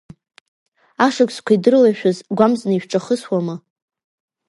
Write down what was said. Ашықәсқәа идырлашәыз, гәамҵны ишәҿахысуама?